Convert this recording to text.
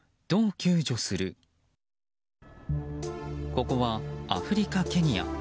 ここはアフリカ・ケニア。